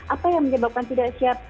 apa yang menyebabkan tidak siap